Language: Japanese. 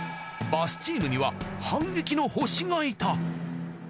バスチームには反撃の星がいた。